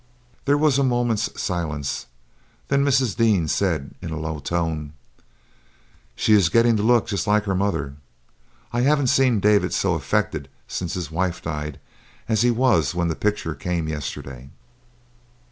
There was a moment's silence, then Mrs. Dean said, in a low tone, "She is getting to look just like her mother. I haven't seen David so affected since his wife died as he was when that picture came yesterday."